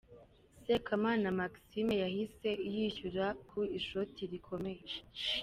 Sekamana Maxime yahise yishyura ku ishoti rikomeye.